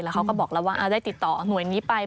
เขาก็บอกแล้วว่าได้ติดต่อหน่วยนี้ไป